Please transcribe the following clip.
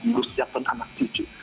urus siapkan anak cucu